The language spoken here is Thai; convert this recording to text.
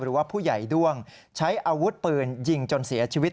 หรือว่าผู้ใหญ่ด้วงใช้อาวุธปืนยิงจนเสียชีวิต